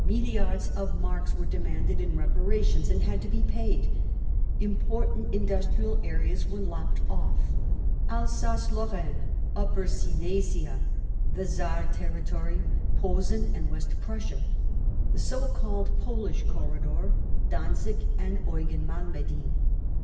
Milliards of marks were demanded in reparations and had to be paid. Im portant industrial areas were lopped off ; Alsace Lorraine, Upper Silesia, the Saar territory, Posen and West Prussia — the so called Polish corridor— Danzig and Eugen Malmedy.